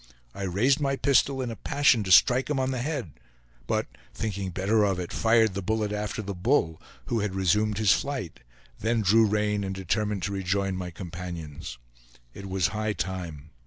I raised my pistol in a passion to strike him on the head, but thinking better of it fired the bullet after the bull, who had resumed his flight, then drew rein and determined to rejoin my companions. It was high time.